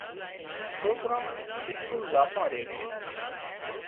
سوڪران اسڪول زاتان ري سي۔